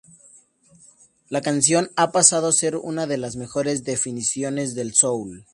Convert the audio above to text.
La canción ha pasado a ser una de las mejores definiciones del soul.